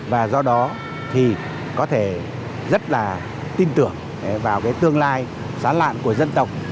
và do đó thì có thể rất là tin tưởng vào cái tương lai giá lạn của dân tộc